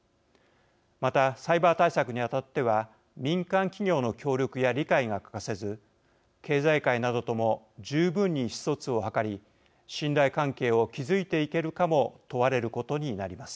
また、サイバー対策にあたっては民間企業の協力や理解が欠かせず経済界などとも十分に意思疎通を図り信頼関係を築いていけるかも問われることになります。